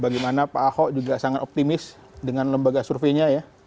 bagaimana pak ahok juga sangat optimis dengan lembaga surveinya ya